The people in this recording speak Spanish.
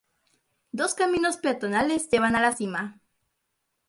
Dos caminos peatonales llevan a la cima.